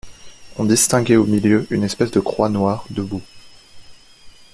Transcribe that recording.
On distinguait au milieu une espèce de croix noire debout.